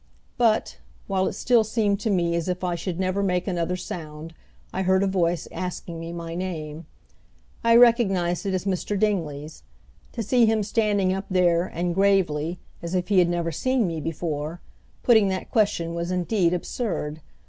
But, while it still seemed to me as if I should never make another sound, I heard a voice asking me my name. I recognized it as Mr. Dingley's. To see him standing up there and gravely, as if he had never seen me before, putting that question was indeed absurd.